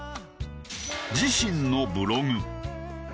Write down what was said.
自身のブログ。